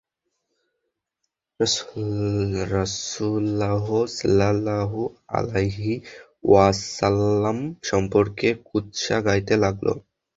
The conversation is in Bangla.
রাসূলুল্লাহ সাল্লাল্লাহু আলাইহি ওয়াসাল্লাম সম্পকে কুৎসা গাইতে লাগল।